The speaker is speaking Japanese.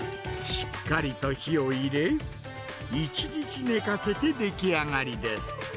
しっかりと火を入れ、１日寝かせて出来上がりです。